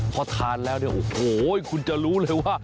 พอทานแล้วโอ้โฮคุณจะรู้เลยว่า